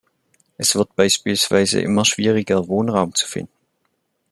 Es wird beispielsweise immer schwieriger, Wohnraum zu finden.